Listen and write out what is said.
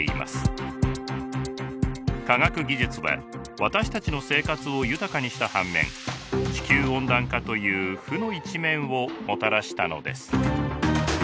科学技術は私たちの生活を豊かにした反面地球温暖化という負の一面をもたらしたのです。